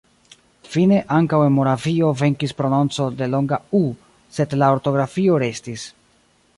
Fine ankaŭ en Moravio venkis prononco de longa u, sed la ortografio restis.